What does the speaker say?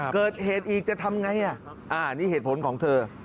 เกิดเหตุอีกจะทำไงนี่เหตุผลของเธอ